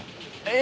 え？